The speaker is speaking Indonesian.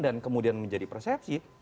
dan kemudian menjadi persepsi